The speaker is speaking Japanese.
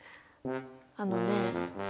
あのね。